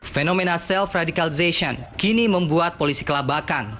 fenomena self radicalization kini membuat polisi kelabakan